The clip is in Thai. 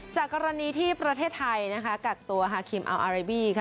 จากกรณีที่ประเทศไทยนะคะกักตัวฮาคิมอัลอาเรบี้ค่ะ